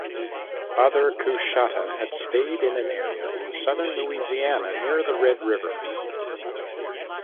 Other Coushatta had stayed in an area in southern Louisiana near the Red River.